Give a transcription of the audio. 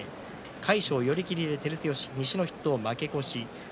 魁勝、寄り切りで照強西の筆頭、負け越し。